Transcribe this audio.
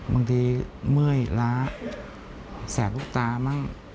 บางทีเมื่อยล้าแสดลูกตามั่ง